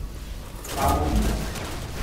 Textaṛ-iten?